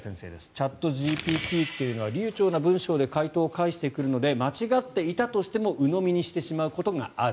チャットＧＰＴというのは流ちょうな文章を回答を返してくるので間違っていたとしてもうのみにしてしまうことがある。